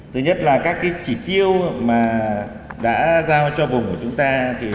thứ nhất là các chỉ tiêu mà đã giao cho vùng của chúng ta